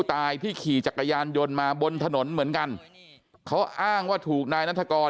ตายที่ขี่จักรยานยนต์มาบนถนนเหมือนกันเขาอ้างว่าถูกนายนัฐกร